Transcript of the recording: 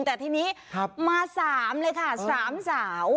แต่ทีนี้มาสามเลยค่ะสามสาว